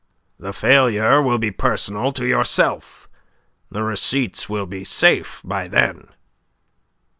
"The failure will be personal to yourself. The receipts will be safe by then."